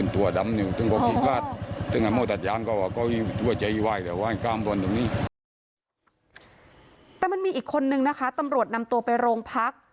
แต่มันมีอีกคนนึงนะคะตำรวจนำตัวไปโรงพัก